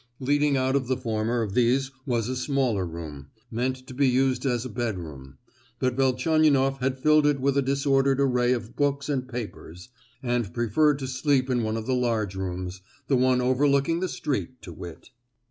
Leading out of the former of these was a smaller room, meant to be used as a bedroom; but Velchaninoff had filled it with a disordered array of books and papers, and preferred to sleep in one of the large rooms, the one overlooking the street, to wit.